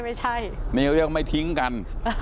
นี่เขาเรียกว่าไม่ทิ้งกัน